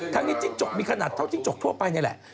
ทั้งนี้จิ้งจกมีขนาดเท่าจิ้งจกทั่วไปนี่แหละ